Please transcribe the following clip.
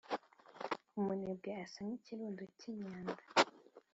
Umunebwe asa n’ikirundo cy’imyanda,